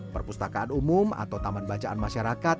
perpustakaan umum atau taman bacaan masyarakat